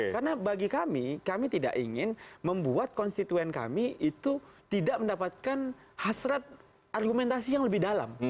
karena bagi kami kami tidak ingin membuat konstituen kami itu tidak mendapatkan hasrat argumentasi yang lebih dalam